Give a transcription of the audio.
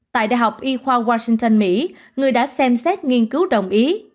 tại đại học y khoa washington mỹ người đã xem xét nghiên cứu đồng ý